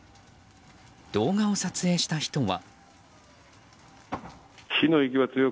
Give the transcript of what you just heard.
動画を撮影した人は。